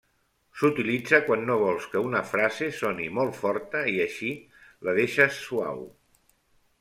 S'utilitza quan no vols que una frase soni molt forta i així la deixes suau.